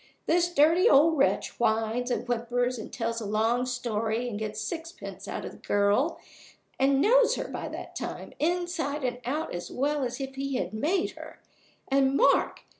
This dirty old wretch whines and whimpers and tells a long story, and gets sixpence out of the girl and knows her by that time, inside and out, as well as if he had made her and, mark!